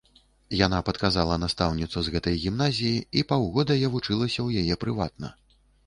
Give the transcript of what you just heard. Яна падказала настаўніцу з гэтай гімназіі, і паўгода я вучылася ў яе прыватна.